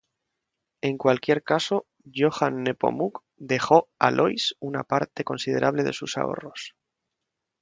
En cualquier caso, Johann Nepomuk dejó Alois una parte considerable de sus ahorros.